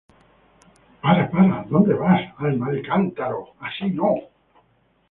¡Para! ¡Para! A dónde vas, alma de cántaro, así no